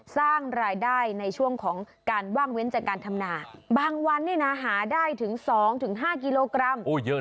สร้างรายได้ในช่วงของการว่างเว้นจากการทำนาบางวันนี้นะหาได้ถึง๒๕กิโลกรัม